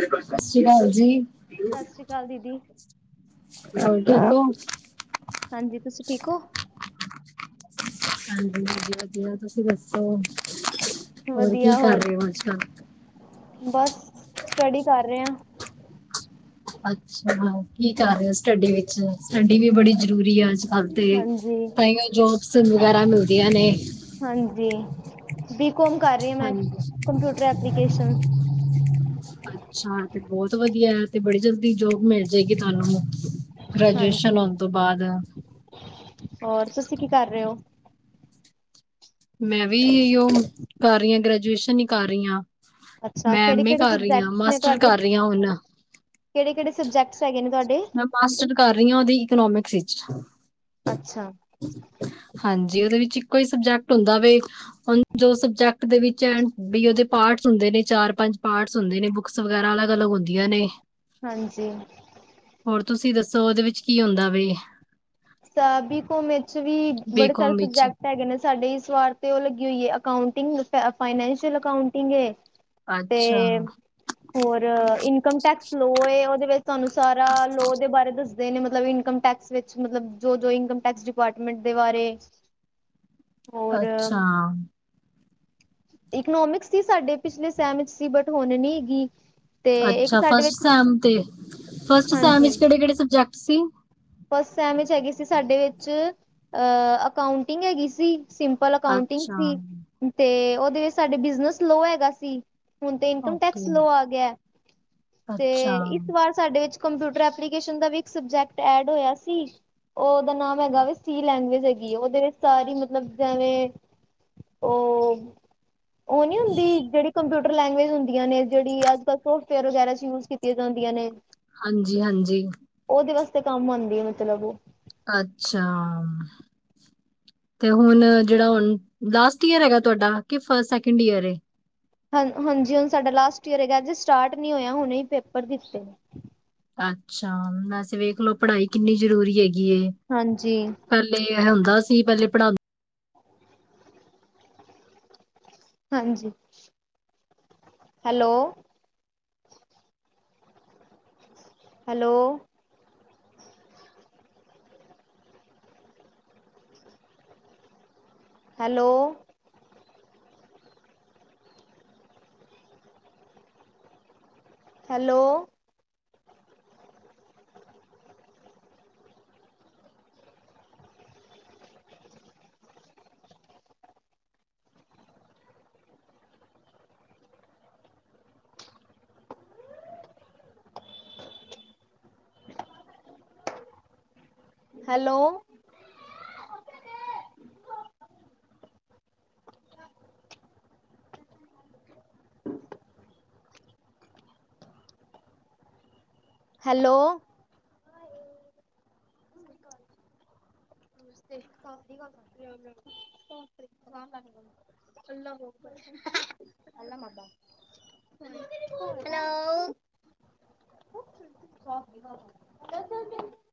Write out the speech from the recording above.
ਸਤਿ ਸ੍ਰੀ ਅਕਾਲ ਜੀ ਹੋਰ ਸਤਿ ਸ਼੍ਰੀ ਅਕਾਲ ਦੀਦੀ, ਠੀਕ ਹੋ। ਹਾਂਜੀ ਤੁਸੀਂ ਠੀਕ ਹੋ। ਹਾਂਜੀ ਵਧੀਆਧਆ ਤੁਸੀਂ ਦੱਸੋ। ਕੀ ਵਧੀਆ ਕਰ ਹੋਰ ਰਹੇ ਹੋ ਅੱਜ ਕੱਲ੍ਹ ਬਸ ਸਟੱਡੀ ਕਰ ਰਹੇ ਹੋ। ਅੱਛਾ ਕੀ ਕਰ ਰਹੇ ਹੋ ਸਟੱਡੀ ਵਿੱਚ ਸਟੱਡੀ ਵੀ ਬੜੀ ਜ਼ਰੂਰੀ ਆ ਅੱਜ ਕੱਲ੍ਹ। ਤੇ ਹਾਂਜੀ। ਤਾਂ ਉਹ ਜੋਬਸ ਵਗੈਰਾ ਮਿਲਦੀਆਂ ਨੇ। ਹਾਂਜੀ ਬੀ ਕੋੌਮ ਕਰ ਰਹੀ ਹ ਮੈਂ ਹਾਂਜੀ ਕੰਪਿਊਟਰ ਐਪਲੀਕੇਸ਼ਨ। [unintelligible] ਅੱਛਾ ਤੇ ਬਹੁਤ ਵਧੀਆ ਤੇ ਬੜੀ ਜਲਦੀ ਜੋਬ ਮਿਲ ਜਾਏਗੀ ਤੁਹਾਨੂੰ। ਹਾਂਜੀ ਗ੍ਰੈਜੂਏਸ਼ਨ ਹੋਣ ਤੋਂ ਬਾਅਦ। ਹੋਰ ਤੁਸੀਂ ਕੀ ਕਰ ਰਹੇ ਹੋ। ਮੈਂ ਵੀ ਉਹ ਕਰ ਰਹੀ ਹਾਂ ਗ੍ਰੈਜੂਏਸ਼ਨ ਹੀ ਕਰ ਰਹੀ ਹਾਂ। ਅੱਛਾ, ਮੈਂ ਐਮ ਏ ਕਿਹੜੇ-ਕਿਹੜੇ ਕਰ ਰਹੀ ਹਾਂ ਸਬਜੈਕਟਸ ਮਾਸਟਰ ਕਰ ਰਹੀ ਹਾਂ ਹੁਣ। ਕਿਹੜੇ -ਕਿਹੜੇ ਸਬਜੈਕਟ ਹੈਗੇ ਨੇ ਤੁਹਾਡੇ। ਮੈਂ ਮਾਸਟਰ ਕਰ ਰਹੀ ਹਾਂ ਉਹਦੀ ਇਕਨੋਮਿਕਸ ਵਿਚ। ਅੱਛਾ। ਹਾਂਜੀ ਉਹਦੇ ਵਿੱਚ ਇੱਕੋ ਹੀ ਸਬਜੈਕਟ ਹੁੰਦਾ ਵੇ। ਹੁ ਜੋ ਸਬਜੈਕਟ ਦੇ ਵਿੱਚ ਐ ਵੀ ਉਹਦੇ ਪਾਰਟਸ ਹੁੰਦੇ ਨੇ ਚਾਰ ਪੰਜ ਪਾਰਟਸ ਹੁੰਦੇ ਨੇ। ਬਕਸ ਵਗੈਰਾ ਅਲੱਗ ਅਲੱ ਹੁੰਦੀਆਂ ਨੇ। ਹਾਂਜੀ। ਹੋਰ ਤੁਸੀਂ ਦੱਸੋ ਉਹਦੇ ਵਿੱਚ ਕੀ ਹੁੰਦਾ ਵੇ। ਸਾਬੀ ਕਮੇ ਚ ਵੀ ਬੜੇ ਸਾਰੇ ਬੀਕੌਮ ਵਿੱਚ ਸਬਜੈਕਟ। ਹੈਗੇ ਨੇ ਸਾਡੇ ਸਵਾਰ ਤੇ ਉਹ ਲੱਗੀ ਹੋਈ ਹੈ ਅਕਾਉਂਟਿੰਗ ਫਾਈਨਸ਼ੀਅਲ ਅਕਾਉਂਟਿੰਗ। ਅੱਛਾ ਤੇ ਹੋਰ ਇਨਕਮ ਟੈਕਸ। ਲੋਅ ਉਹਦੇ ਵਿੱਚ ਤੁਹਾਨੂੰ ਸਾਰਾ ਲੋਅ ਦੇ ਬਾਰੇ ਦੱਸਦੇ ਨੇ ਮਤਲਬ ਇਨਕਮ ਟੈਕਸ ਵਿੱਚ। ਮਤਲਬ ਜੋ- ਜੋ ਇਨਕਮ ਟੈਕਸ ਡਿਪਾਰਟਮੈਂਟ ਦੇ ਬਾਰੇ। ਹੋਰ ਅੱਛਾ। ਇਕਨੋਮਿਕਸ ਸੀ ਸਾਡੇ ਪਿਛਲੇ ਸਹਿਮ ਸੀ ਬਟ ਹੁਣ ਨੀ ਹੈਗੀ। ਤੇ ਇੱਕ ਅੱਛਾ ਸਾਡੇ ਵਿੱਚ ਫਸਟੈਮ ਤੇ ਫਸਟਮ ਹਾਂਜੀ ਵਿਚ ਕਿਹੜੇ -ਕਿਹੜੇ ਸਬਜੈਕਟ ਸੀ। ਫਸਟ ਟਮ ਹੈਗੀ ਸੀ ਸਾਡੇ ਵਿੱਚ ਅ ਅਕਾਉਂਟਿੰਗ ਹੈਗੀ ਸੀ ਸਿੰਪਲ। ਪਲ ਕਾਊਂਟਿੰਗ ਅੱਛਾ ਸੀ। ਤੇ ਉਹਦੇ ਵਿੱਚ ਸਾਡੇ ਬਿਜਨਸ ਲੋਅ ਹੈਗਾ ਸੀ ਹੁਣ ਤੇ ਇਨਕਮ ਓਕੇ ਟੈਕਸ ਲੋਅ ਆ ਗਿਆ। ਤੇ ਅੱਛਾ ਇਸ ਵਾਰ ਸਾਡੇ ਵਿਚ ਕੰਪਿਊਟਰ ਐਪਲੀ ਦਾ ਵੀ ਇੱਕ ਸਬਜੈਕਟ ਐਡ ਹੋਇਆ ਸੀ। ਉਹ ਉਹਦਾ ਨਾਮ ਹੈਗਾ ਵੇ, ਸੀ ਲੈਂਗੁਏਜ ਹੈਗੀ ਆ ਉਹਦੇ ਵਿੱਚ ਸਾਰੀ ਮਤਲਬ ਜਿਵੇਂ ਉਹ ਉਹ ਨੀ ਹੁੰਦੀ ਜਿਹੜੀ ਕੰਪਿਊਟਰ ਲੈਂਗੁਏਜ ਹੁੰਦੀਆਂ ਨੇ, ਜਿਹੜੀ ਅੱਜ-ਕਲ ਸੋਫਟਵੇਅਰ ਵਗੈਰਾ ਚ ਯੂਜ ਕੀਤੀ। ਕੀਤੀਆਂ ਜਾਂਦੀਆਂ ਨੇ ਹਾਂਜੀ, ਹਾਂਜੀ ਉਹਦੇ ਵਾਸਤੇ ਕੰਮ ਆਉਂਦੀ ਹੈ ਮਤਲਬ ਉਹ ਅੱਛਾ। ਤੇ ਹੁਣ ਜਿਹੜਾ ਹੁਣ ਲਾਸਟ ਈਅਰ ਹੈਗਾ, ਤੁਹਾਡਾ ਕਿ ਫਸਟ ਸੈਕਿੰਡ ਈਅਰ ਏ, ਹਾਂ ਹਾਂਜੀ ਹੁਣ ਸਾਡਾ ਲਾਸਟ ਈਅਰ ਹੈਗਾ ਅਜੇ ਸਟਾਰਟ ਨਹੀਂ ਹੋਇਆ ਹੁਣੇ ਹੀ ਪੇਪਰ ਦਿੱਤੇ। ਅੱਛਾ ਵੈਸੇ ਵੇਖ ਲਓ ਪੜ੍ਹਾਈ ਕਿੰਨੀ ਜ਼ਰੂਰੀ ਹੈਗੀ ਹੈ। ਹਾਂਜੀ ਪਹਿਲੇ ਇਹ ਹੁੰਦਾ ਸੀ ਪਹਿਲੇ ਪੜ੍ਹਾਉਂ ਹਾਂਜੀ hello hello, hello hello hello hello ਨਮਸਤੇ [unintelligible] [unintelligible] ਹੈਲੋ [unintelligible]